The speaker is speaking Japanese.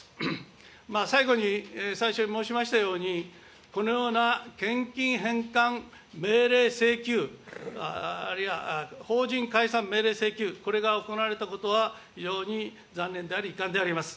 最後に、最初に申しましたように、このような献金返還命令請求、あるいは法人解散命令請求、これが行われたことは、非常に残念であり、遺憾であります。